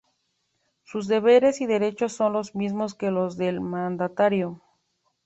Sus deberes y derechos son los mismos que los del Mandatario.